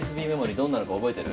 どんなのか覚えてる？